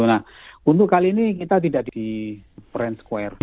nah untuk kali ini kita tidak di friend square